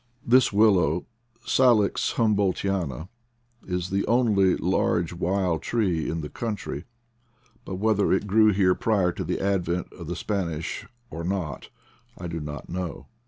This \willow (Salix humboldtiana) is the only large wild tree in the country; but whether it grew here prior to the advent of the Spanish or not, I do not know.